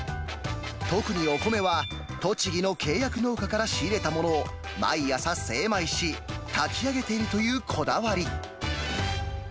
特にお米は栃木の契約農家から仕入れたものを、毎朝、精米し、炊き上げているというこだわり。